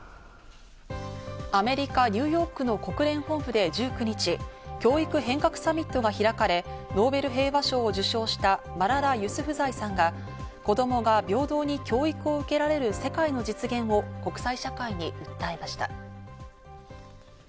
アメリカ・ニューヨークの国連本部で１９日、教育変革サミットが開かれ、ノーベル平和賞を受賞したマララ・ユスフザイさんが子供が平等に教育を受けられる世界の実現を国際社会に訴えました。